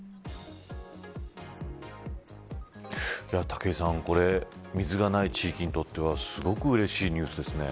武井さん水がない地域にとってはすごくうれしいニュースですね。